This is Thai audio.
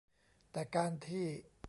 แต่การที่